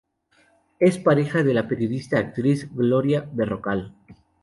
Es pareja de la periodista y actriz Gloria Berrocal.